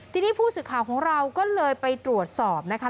ทีนี้ผู้สื่อข่าวของเราก็เลยไปตรวจสอบนะคะ